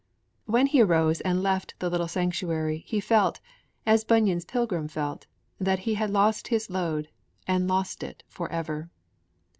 When he arose and left the little sanctuary, he felt, as Bunyan's pilgrim felt, that he had lost his load, and lost it for ever.